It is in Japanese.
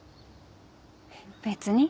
別に。